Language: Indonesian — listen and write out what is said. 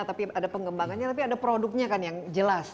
tapi ada pengembangannya tapi ada produknya kan yang jelas